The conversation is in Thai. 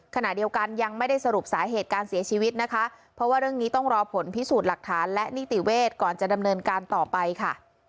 ขณะเดียวกันยังไม่ได้สรุปสาเหตุการเสียชีวิตนะคะเพราะว่าเรื่องนี้ต้องรอผลพิสูจน์หลักฐานและนิติเวทย์ก่อนจะดำเนินการต่อไปค่ะ